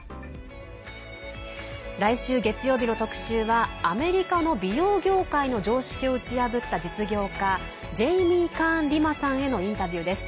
来週月曜日の特集はアメリカの美容業界の常識を打ち破った実業家ジェイミー・カーン・リマさんへのインタビューです。